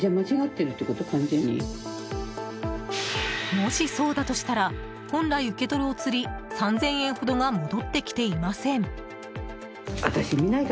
もし、そうだとしたら本来受け取るおつり３０００円ほどが戻ってきていません。